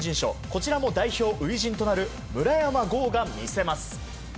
こちらも代表初陣となる村山豪選手が見せます。